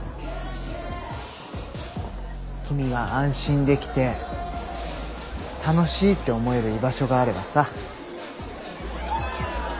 君が安心できて楽しいって思える居場所があればさ。